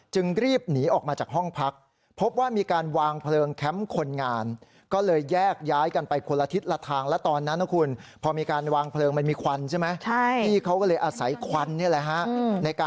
จึงรีบหนีออกมาจากห้องพัก